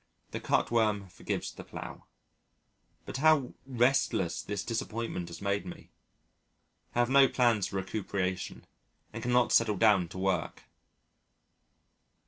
The cut worm forgives the plough. But how restless this disappointment has made me.... I have no plans for recuperation and cannot settle down to work.